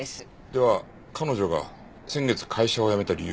では彼女が先月会社を辞めた理由は？